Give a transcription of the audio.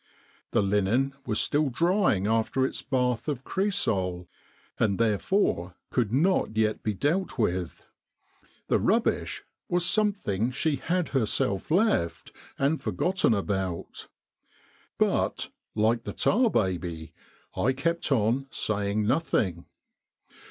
The linen was still drying after its bath of cresol, and therefore could not yet be dealt with. The ' rubbish ' was something she had herself left, and forgotten about. But, like the Tar Baby, I kept on saying nothing.